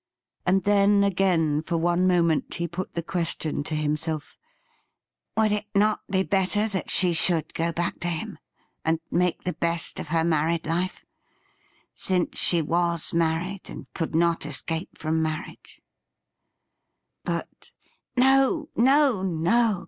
And then again for one moment he put the question to himself: ' Would it not be better that she should go back to him, and make the best of her married life, since she was married and could not escape from 14 210 THE RIDDLE RING marriage ? But ' No, no, no